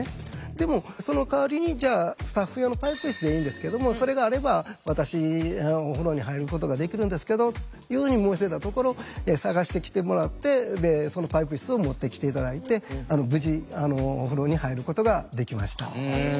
でもそのかわりにじゃあスタッフ用のパイプいすでいいんですけどもそれがあれば私お風呂に入ることができるんですけどいうふうに申し出たところ探してきてもらってそのパイプいすを持ってきて頂いて無事お風呂に入ることができました。